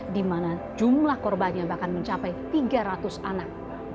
di mana jumlah korbannya bahkan mencapai tiga ratus anak